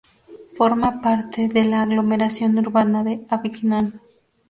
Forma parte de la aglomeración urbana de Avignon.